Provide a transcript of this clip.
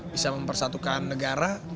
bisa mempersatukan negara